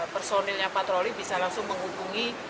personilnya patroli bisa langsung menghubungi